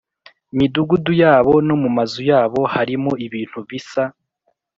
midugudu yabo no mu mazu yabo harimo ibintu bisa